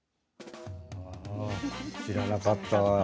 知らなかった。